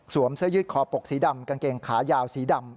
เสื้อยืดคอปกสีดำกางเกงขายาวสีดำ